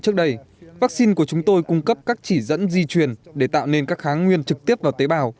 trước đây vaccine của chúng tôi cung cấp các chỉ dẫn di truyền để tạo nên các kháng nguyên trực tiếp vào tế bào